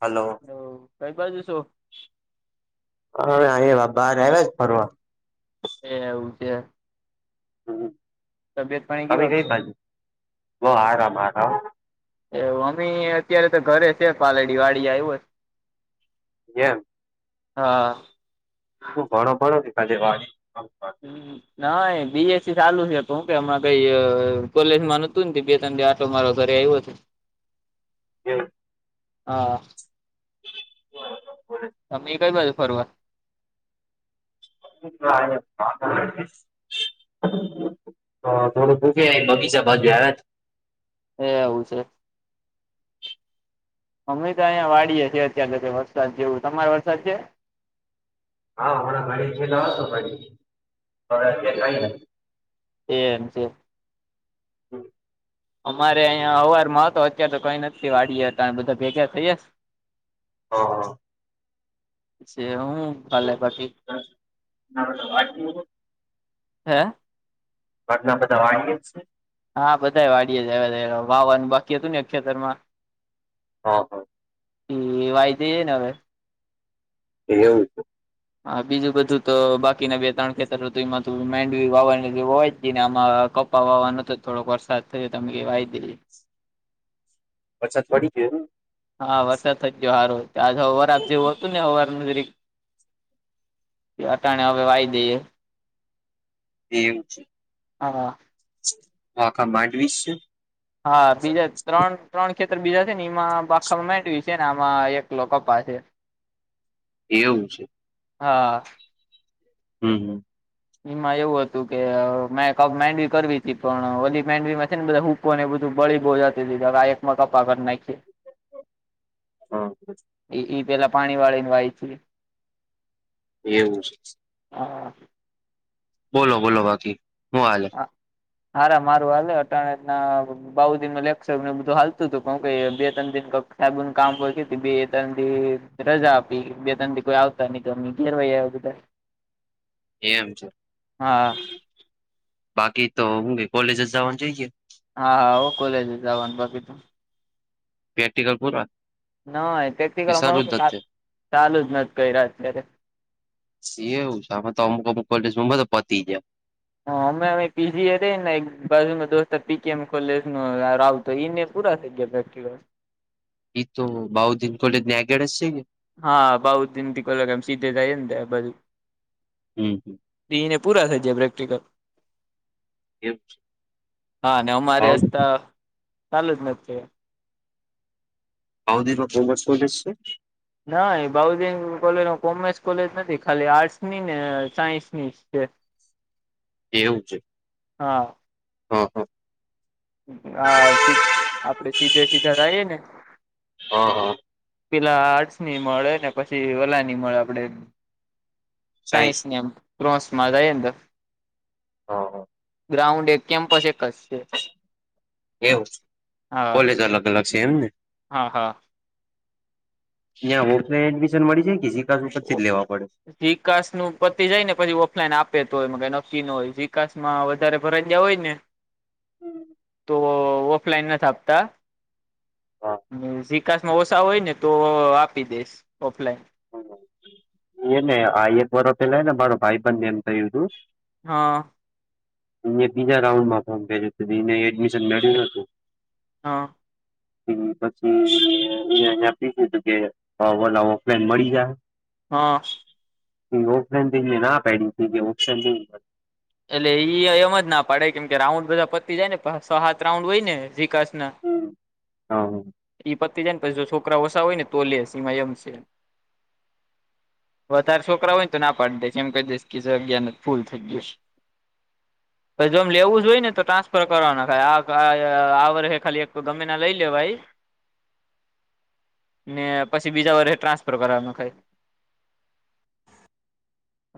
Hello. હ, કઈ પાસે દિવસો હા, અમે બહાર આવ્યા જ ફરવા. એ એવું છે. હ, તબિયત પાણી તમે કેવાક કઈ છે બાજુ? આરામ, આરામ. એવું, અમે અત્યારે તો ઘરે છે. પાલેડી વાડી આવ્યો જ. એમ. હા. હ, ઘણ ઘણો દીખા [unintelligible] હ, ના, બીએસસી ચાલુ છે, તો હું કે, હમણા કઈ કોલેજ માં નહોતું ત્યારે. તો મારો ઘરે આવ્યો છે. એમ. હા. બરાબર. મે કંઈ બાજુ ફરવા? [unintelligible] થોડું ભૂખે બગીચા બાજુ આવ્યા હતા. એ એવું છે. અમે તો અહીં વાડીએ છીએ. અત્યારે તો વરસાદ જેવું. તમારે વરસાદ છે? હા, મારા ગાડી પલા આવ, છોડીયા કઈ [unintelligible] એમ છે. હમ. અમારે અહીંયા અવાર માં હતો. અત્યારે તો કંઈ નથી. વાડી તો બધા ભેગા થઈ હા, હા. જે હું ભલેે બાકી. ઘરના હે. ઘટના બધા વા એ જ છે. હા, બધા વાડી જ. વાવાનું બાકી હતું ને, ખેતરમાં. હા, હા. એ વાયદ છે ને, હવે. એવું છે. હા, બીજું બધું તો બાકીના બે-ત્રણ ખેતર ઋતુમાં માંડવી વાવવાની હોય જઈને એમાં વાવાનો તો થોડોક વરસાદ થયો તમે કેવાય દે વરસાદ પડી હા, વરસાદ થઈ ગયો સારો. આજે અવાર આપ જેવું હતું ને, અવાર અટાણે હવે વાય દઈએ. એવું છે, હા આખ માંડવીસ છે. હા, બીજા ત્રણ-ત્રણ ખેતર બીજા છે, ને એમાં બાખામાં મેવીશ છે, ને આમાં એક લોકો પાસે એવું છે. હા. હમ્મ, હમ્મ. એમાં એવું હતું કે મેં માંડવી કરવી હતી, પણ ઓલી માંડવીમાં છે ને બધા હુ ને બધું બળી બો જતી દીધું એકમાં કપાસ નાખીએ. હા. એ પેલા પાણી વાળી એવું છે. હા. બોલો, બોલો બાકી હું હાલ? [inaudible] હારા મારું હા અટાણના બો દિનનું લેક્સરને બધું હાલતું હતું બે-ત્રણ દિવ સાહેબોને કામ હોય બે થી ત્રણ રજા આપી, બે-ત્રણથી કોઈ આવતા ન હોય તો એ ઘેર હોય બધા. [inaudible] એમ છે, હા બાકી તો હું કોલેજ જ જવાનું જઈએ? હા, હા આવ કોલેજ છે જવાનું બાકી તો પ્રેક્ટિકલ પૂરા ના, કે પ્રટેક્ટિકલ સારું અમારું જ ચાલુ જ નથી કર્યા અત્યારે. છેવ અમેતો તો અમુકમુ તો પતી ગયા. હા, અમે અવે પી. જી. એ રહીયેને એક બાજુનો દોસ્તાર બી. કોમ. કોલેજ તો, એને પૂરા થઈ ગયા પ્રેકટીકલ. એ તો બા ઉ દિન કોલેજ અગાડ હશે ને. હા, બો દિવસથી સીધે કોલેજ થાય ને જાયે બાજુ હમ. ને પૂરા થઈ જાય પ્રેક્ટિકલ. એવું છે હા, અમારે બાઉ- હજી ચાલુ જ નથી છે. [unintelligible] બો મસ્ત કોલેજ છે. નહી, બો દીન કોલેજ કોમર્સ કોલેજ નથી, ખાલી આર્ટસની ને સાયન્સની છે. [inaudible] એવું છે, હા હા, હા. હા, આપણે સીધે સીધા જાઈએ ને હા હા. પેલા આર્ટ્સની મળે ને પછી ઓલાની મળે આપણેે સાયન્સ કાંઈજ ની. નહિ ક્રોસમાં રહીએને હા, હા. ગ્રાઉન્ડ એક, કેમ્પસ એક જ છે. એવું હા કોલેજ અલગ-અલગ છે એમને? હા, હા. ત્યાં ઑફ લાઈન એડમિશન મળી જાય કે જી સી એ એસ ઉપરથી જ લેવા પડે. જિ કા સનું પતિ જાય ને પછી ઓફલાઈન આપે તો આપે નક્કી ન હોય જિ કા સમાં વધારે ભરાઈ ગયા હોય ને તો ઓફલાઈન નહિ આપતા. હા જી કા સમાં ઓછા હોય ને તો આપી દેય ઓફલાઈન. હહ ઈ હેને આઈએફ વાળો પેલા હેને મારો ભાઈબંધ એમ કહ્યું તું. હા મેં બીજા રાઉન્ડમાં કામ કર્યું તું તો એને એડમિશન નળ્યું નતું. હા પછી અ પીછું કે વાલાવો. ફેડ મળી જાય. હા. એ ઓપનને ના પેડી ઓપ્શન. એટલે ઈ એમજ ના પાડે કેમ કે રાઉન્ડ બધા પતી જાય ને પા છ હાત રાઉન્ડ હોય ને વિકાસના હમ હહ હહ ઈ પતિ જાયને પછી જો છોકરા ઓસા હોય ને તો લે સિવાય એમ છે. વધારે છોકરા હોય ને તો ના પાડ દે છે એમ કહી દઈશ કે જગ્યા નથ ફૂલ થઈ ગયું છ. પસ જો આમ લેવું જ હોય ને તો ટ્રાન્સફર કરવાના થાય આ આ વરહે ખાલી એક ગમે ના લઈ લેવાય. ને પછી બીજા વરહે ટ્રાન્સફર કરવાનું થાય.